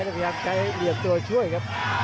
พยายามไกลเหลี่ยมตัวช่วยครับ